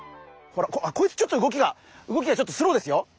こいつちょっと動きが動きがちょっとスローですよ